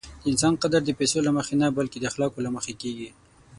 د انسان قدر د پیسو له مخې نه، بلکې د اخلاقو له مخې کېږي.